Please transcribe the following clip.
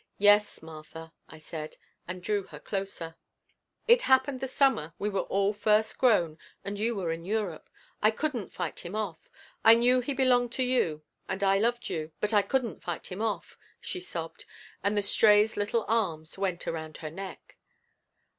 "Yes, Martha," I said, and drew her closer. "It happened the summer we were all first grown and you were in Europe. I couldn't fight him off. I knew he belonged to you and I loved you, but I couldn't fight him off," she sobbed and the Stray's little arms went around her neck.